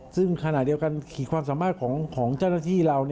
ซึ่งขณะเดียวกันขีดความสามารถของเจ้าหน้าที่เรา